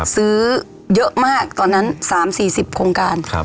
ซื้อเยอะมากตอนนั้น๓๔๐โครงการ